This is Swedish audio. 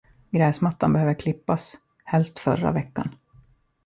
Gräsmattan behöver klippas, helst förra veckan.